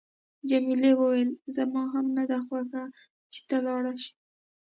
جميلې وويل: زما هم نه ده خوښه چې ته لاړ شې.